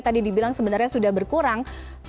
tadi dibilang sebenarnya sudah berkurang